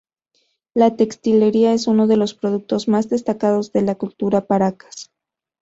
La textilería es uno de los productos más destacados de la cultura paracas.